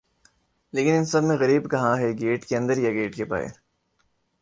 لیکن ان سب میں غریب کہاں ہے گیٹ کے اندر یا گیٹ کے باہر